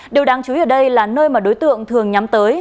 điều đáng chú ý ở đây là nơi mà đối tượng thường nhắm tới